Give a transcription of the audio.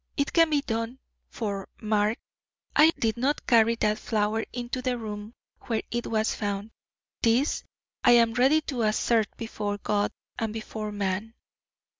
It can be done, for, mark, I did not carry that flower into the room where it was found. This I am ready to assert before God and before man!"